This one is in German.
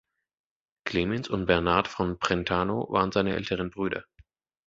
Clemens und Bernard von Brentano waren seine älteren Brüder.